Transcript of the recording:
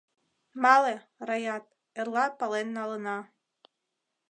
— Мале, Раят, эрла пален налына.